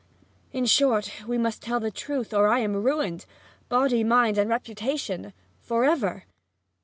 In short, we must tell the truth, or I am ruined body, mind, and reputation for ever!'